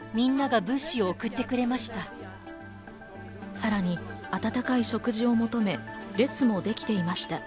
さらに温かい食事を求め、列もできていました。